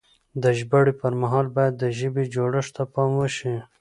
د ژباړې پر مهال بايد د ژبې جوړښت ته پام وشي.